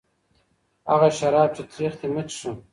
هغه شراب چي تریخ دی مه څښه.